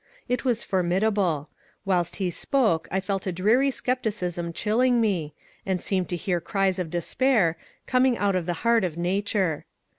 It was formidable ; whilst he spoke I felt a dreary scepticism chilling me, and seemed to hear cries of despair, coming out of the heart of nature.